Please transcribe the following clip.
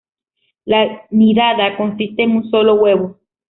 La nidada consiste en un solo huevo.